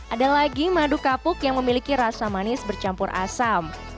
ada lagi madu kapuk yang memiliki rasa manis bercampur asam